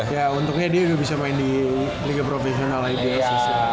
ya untungnya dia udah bisa main di liga profesional aja